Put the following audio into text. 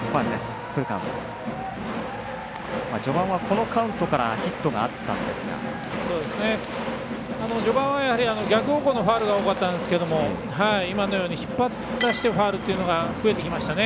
序盤は、このカウントからヒットがあったんですが序盤は逆方向のファウルが多かったんですが今のように引っ張ってファウルというのが増えてきましたね。